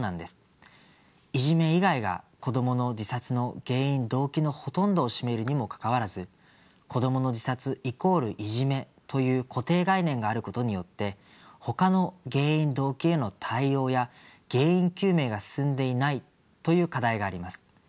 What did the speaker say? いじめ以外が子どもの自殺の原因・動機のほとんどを占めるにもかかわらず「子どもの自殺＝いじめ」という固定概念があることによってほかの原因・動機への対応や原因究明が進んでいないという課題があります。